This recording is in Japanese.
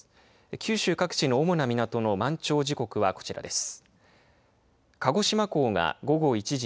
九州各地の主な港の満潮時刻はこちらです。